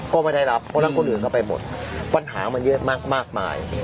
ก็ไม่ได้รับเพราะรักคนอื่นเข้าไปหมดปัญหามันเยอะมากมาย